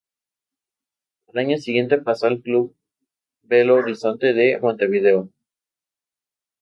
Al año siguiente pasó al club Belo Horizonte de Montevideo.